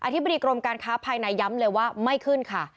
ธิบดีกรมการค้าภายในย้ำเลยว่าไม่ขึ้นค่ะ